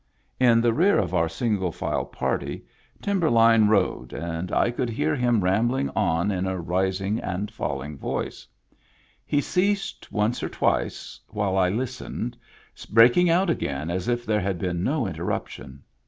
In the rear of our single file party Timberline rode, and I could hear him Digitized by Google TIMBERLINE 149 rambling on in a rising and falling voice. He ceased once or twice while I listened, breaking out again as if there had been no interruption.